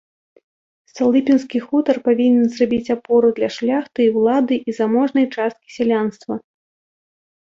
Сталыпінскі хутар павінен зрабіць апору для шляхты і ўлады і заможнай часткі сялянства.